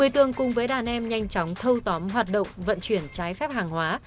một mươi tường cùng với đàn em nhanh chóng thâu tóm hoạt động vận chuyển trái phép hàng hóa